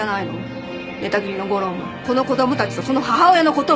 寝たきりの吾良もこの子供たちとその母親の事も。